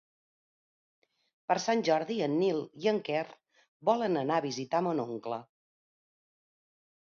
Per Sant Jordi en Nil i en Quer volen anar a visitar mon oncle.